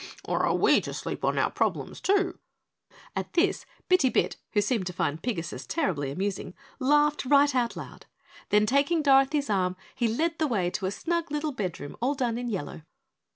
"Or are we to sleep on our problems, too?" At this, Bitty Bit, who seemed to find Pigasus terribly amusing, laughed right out loud, then taking Dorothy's arm he led the way to a snug little bedroom all done in yellow.